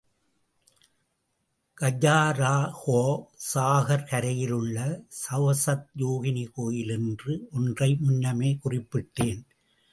கஜுராஹோ சாகர் கரையில் உள்ள சவுசத் யோகினி கோயில் என்று ஒன்றை முன்னமே குறிப்பிட்டேன்.